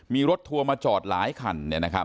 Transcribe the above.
มีรถทัวร์มาจอดหลายคัน